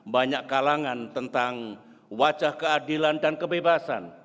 banyak kalangan tentang wajah keadilan dan kebebasan